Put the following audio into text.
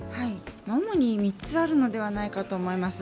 主に３つあるのではないかと思います。